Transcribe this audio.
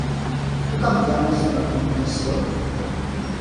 Puc enviar més d'una comunicació?